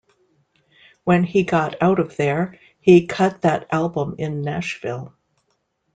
When he got out of there, he cut that album in Nashville.